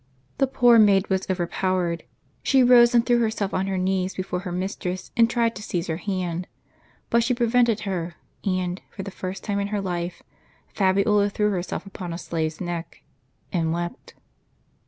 The poor maid was overj^owered. She rose and threw her self on her knees before her mistress, and tried to seize her hand ; but she prevented her, and, for the first time in her life, Fabiola threw herself upon a slave's neck, and wept.